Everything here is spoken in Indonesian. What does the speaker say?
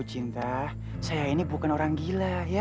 cinta saya ini bukan orang gila ya